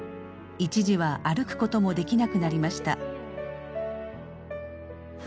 一時は歩くこともできなくなりました。